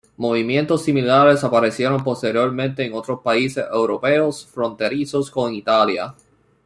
Movimientos similares aparecieron posteriormente en otros países europeos fronterizos con Italia.